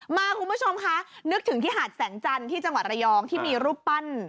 คุณผู้ชมคะนึกถึงที่หาดแสงจันทร์ที่จังหวัดระยองที่มีรูปปั้น